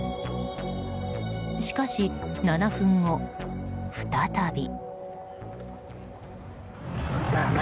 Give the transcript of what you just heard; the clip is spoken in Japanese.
しかし７分後、再び。